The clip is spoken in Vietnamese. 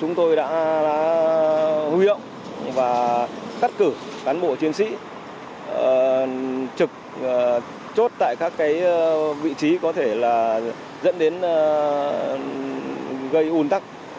chúng tôi đã hư hượng và cắt cử cán bộ chiến sĩ trực chốt tại các vị trí có thể dẫn đến gây ủn tắc